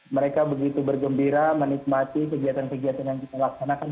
mereka begitu bergembira menikmati kegiatan kegiatan yang kita laksanakan